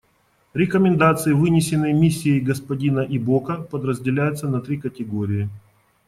Рекомендации, вынесенные Миссией господина Ибока, подразделяются на три категории.